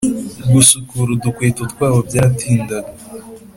gusukura udukweto twabo byaratindaga